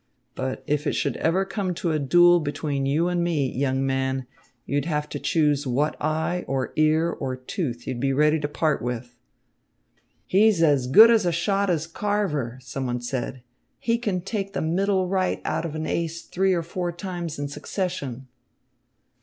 But if it should ever come to a duel between you and me, young man, you'd have to choose what eye or ear or tooth you'd be ready to part with." "He's as good a shot as Carver," someone said. "He can take the middle right out of an ace three or four times in succession."